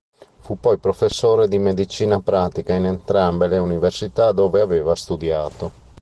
Fu poi professore di medicina pratica in entrambe le università dove aveva studiato.